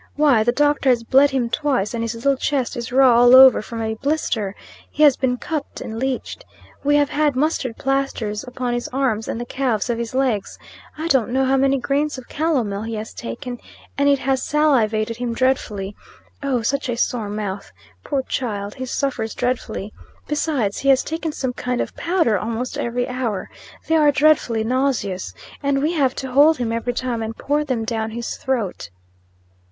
Why, the doctor has bled him twice; and his little chest is raw all over from a blister. He has been cupped and leeched. We have had mustard plasters upon his arms and the calves of his legs. I don't know how many grains of calomel he has taken; and it has salivated him dreadfully. Oh! such a sore mouth! Poor child! He suffers dreadfully. Besides, he has taken some kind of powder almost every hour. They are dreadfully nauseous; and we have to hold him, every time, and pour them down his throat.